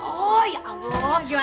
oh ya allah